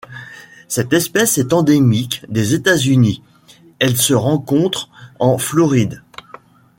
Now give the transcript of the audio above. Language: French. Cette espèce est endémique des États-Unis, elle se rencontre en Floride.